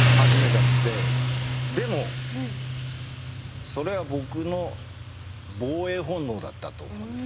でもそれは僕の防衛本能だったと思うんです。